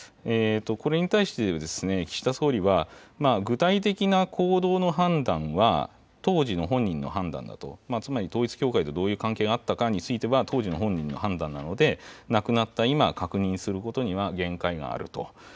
これに対しては、岸田総理は、具体的な行動の判断は、当時の本人の判断だと、つまり統一教会とどういう関係があったかについては、当時の本人の判断なので、亡くなった今、確認することには限界があると。